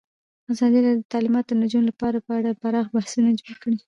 ازادي راډیو د تعلیمات د نجونو لپاره په اړه پراخ بحثونه جوړ کړي.